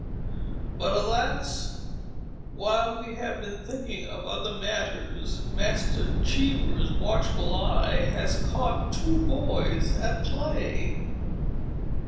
But, alas! while we have been thinking of other matters, Master Cheever's watchful eye has caught two boys at play.